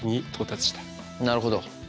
なるほど。